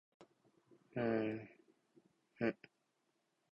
今年こそ、広島が優勝します！